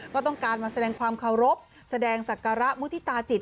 ก็ต้องการมาแสดงความเคารพแสดงศักระมุฒิตาจิต